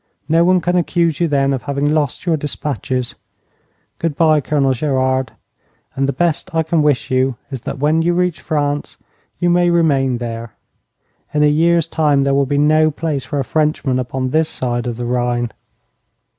No one can accuse you then of having lost your despatches. Good bye, Colonel Gerard, and the best I can wish you is that when you reach France you may remain there. In a year's time there will be no place for a Frenchman upon this side of the Rhine.'